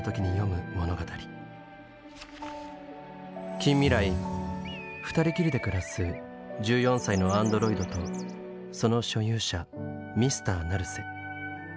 近未来２人きりで暮らす１４歳のアンドロイドとその所有者Ｍｒ．ナルセ。